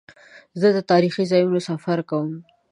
زه د تاریخي ځایونو سفر کوم.